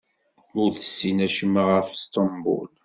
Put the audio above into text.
Ur tessin acemma ɣef Sṭembul.